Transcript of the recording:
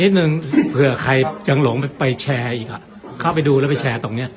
หนึ่งเผื่อใครยังหลงไปไปแชร์อีกอ่ะเข้าไปดูแล้วไปแชร์ตรงเนี้ย